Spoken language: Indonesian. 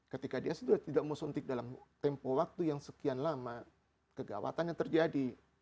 ketika dia sudah tidak mau suntik dalam tempo waktu yang sekian lama kegawatannya terjadi